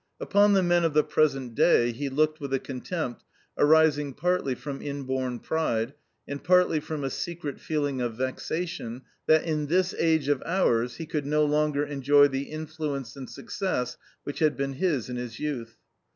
Upon the men of the present day he looked with a contempt arising partly from inborn pride and partly from a secret feeling of vexation that, in this age of ours, he could no longer enjoy the influence and success which had been his in his youth.